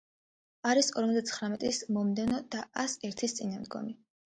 არის ოთხმოცდაცხრამეტის მომდევნო და ას ერთის წინამდგომი.